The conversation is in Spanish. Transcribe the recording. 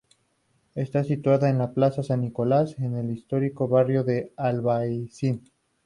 Está situada en la Plaza San Nicolás, en el histórico barrio del Albaicín.